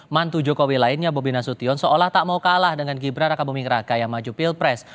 mantu jokowi lainnya bobi nasution seolah tak mau kalah dengan gibran raka buming raka yang maju pilpres